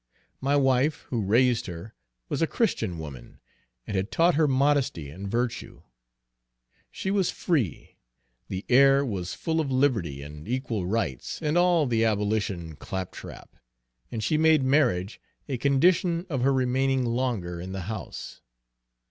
My wife, who raised her, was a Christian woman, and had taught her modesty and virtue. She was free. The air was full of liberty, and equal rights, and all the abolition claptrap, and she made marriage a condition of her remaining longer in the house.